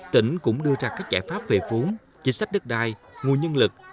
tỉnh cũng đưa ra các giải pháp về vốn chính sách đất đai nguồn nhân lực